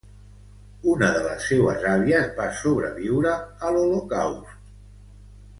Una de les seues àvies va sobreviure a l'Holocaust.